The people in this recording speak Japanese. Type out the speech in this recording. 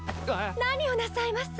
何をなさいます